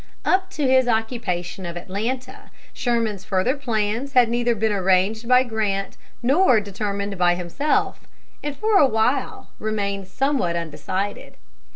Up to his occupation of Atlanta, Sherman's further plans had neither been arranged by Grant nor determined by himself, and for a while remained somewhat undecided.